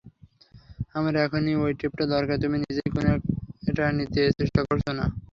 আমার এখনই ঐ টেপটা দরকার তুমি নিজেই কেনো এটা নিতে চেষ্টা করছোনা?